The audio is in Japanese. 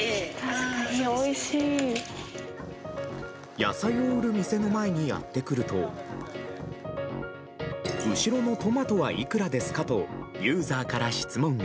野菜を売る店の前にやってくると後ろのトマトはいくらですか？とユーザーから質問が。